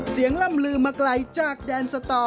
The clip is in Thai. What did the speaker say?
ล่ำลือมาไกลจากแดนสตอ